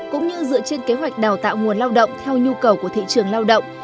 cũng như dựa trên kế hoạch đào tạo nguồn lao động theo nhu cầu của thị trường lao động